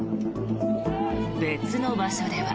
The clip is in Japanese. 別の場所では。